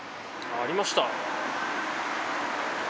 ありました。